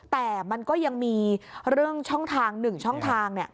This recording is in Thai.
แต่มันก็ยังมีเรื่องช่องทาง๑ช่องทาง